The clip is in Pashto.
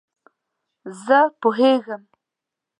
زه پوهیږم